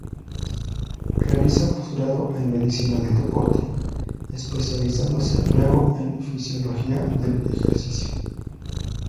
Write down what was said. Realiza posgrado en Medicina del Deporte, especializándose luego en la fisiología del ejercicio.